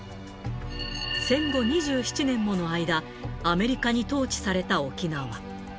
戦後２７年もの間、アメリカに統治された沖縄。